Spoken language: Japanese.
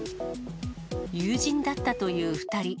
友人だったという２人。